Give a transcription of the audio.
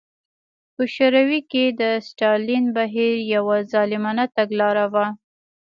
په شوروي کې د ستالین بهیر یوه ظالمانه تګلاره وه.